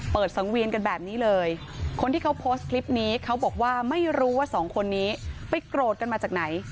สังเวียนกันแบบนี้เลยคนที่เขาโพสต์คลิปนี้เขาบอกว่าไม่รู้ว่าสองคนนี้ไปโกรธกันมาจากไหน